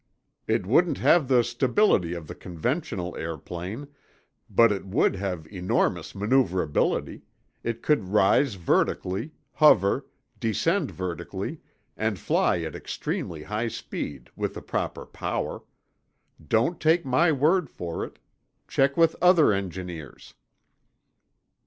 "It wouldn't have the stability of the conventional airplane, but it would have enormous maneuverability—it could rise vertically, hover, descend vertically, and fly at extremely high speed, with the proper power. Don't take my word for it. Check with other engineers."